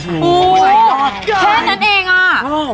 โอ้โหเท่นั่นเองอะ